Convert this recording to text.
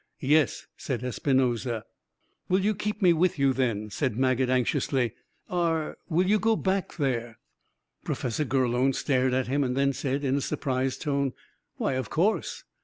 "Yes," said Espinosa. "Will you keep me with you, then?" asked Maget anxiously. "Are will you go back there?" Professor Gurlone stared at him, and then said, in a surprised tone, "Why, of course!"